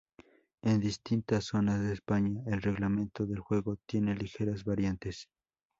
En distintas zonas de España, el reglamento del juego tiene ligeras variantes.